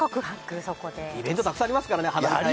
イベントたくさんありますから。